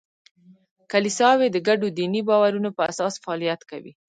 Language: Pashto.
کلیساوې د ګډو دیني باورونو په اساس فعالیت کوي.